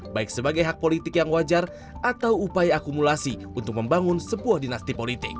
baik sebagai hak politik yang wajar atau upaya akumulasi untuk membangun sebuah dinasti politik